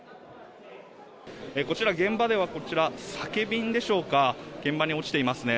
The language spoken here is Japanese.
こちら現場では酒瓶でしょうか現場に落ちていますね。